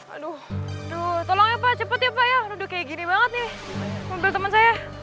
aduh tolong ya pak cepet ya pak ya duduk kayak gini banget nih mobil teman saya